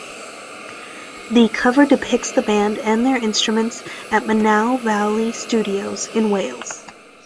The cover depicts the band and their instruments at Monnow Valley Studios in Wales.